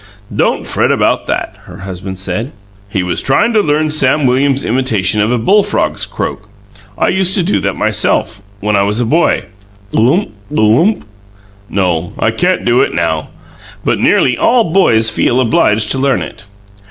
"Don't fret about that," her husband said. "He was trying to learn Sam Williams's imitation of a bullfrog's croak. I used to do that myself when I was a boy. Gl glump, gallump! No; I can't do it now. But nearly all boys feel obliged to learn it."